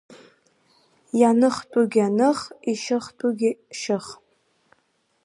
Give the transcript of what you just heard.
Ианыхтәу аных, ишьыхтәугьы шьых.